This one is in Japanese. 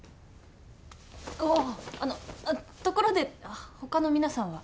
あぁあのところで他の皆さんは？